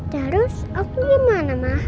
terus aku gimana ma